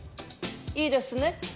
いいですね？